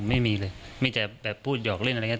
ผมไม่มีเลยไม่ใช่แบบพูดหยอกเล่นอะไรอย่างเงี้ย